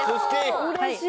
うれしい！